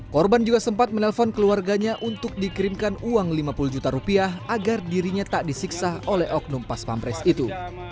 korban juga sempat menelpon keluarganya untuk dikirimkan uang lima puluh juta rupiah agar dirinya tak disiksa oleh oknum pas pampres itu